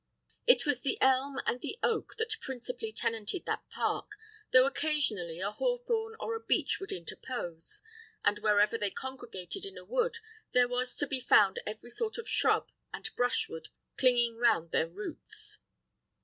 It was the elm and the oak that principally tenanted that park, though occasionally a hawthorn or a beech would interpose; and wherever they congregated in a wood there was to be found every sort of shrub and brushwood clinging round their roots.